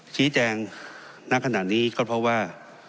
ชี้แจงณขณะนี้ก็เพราะว่า